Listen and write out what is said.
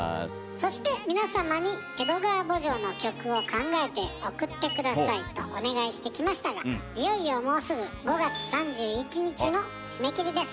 そして皆様に「江戸川慕情」の曲を考えて送って下さいとお願いしてきましたがいよいよもうすぐ５月３１日の締め切りです。